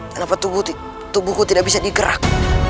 kenapa tubuhku tidak bisa digerak